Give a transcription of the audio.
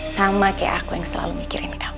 sama kayak aku yang selalu mikirin kamu